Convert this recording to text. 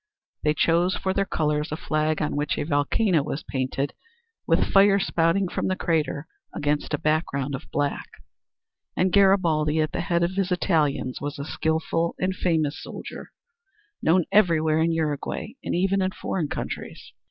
They chose for their colors a flag on which a volcano was painted with fire spouting from the crater against a background of black. And Garibaldi at the head of his Italians was a skilful and famous soldier, known everywhere in Uruguay and even in foreign countries.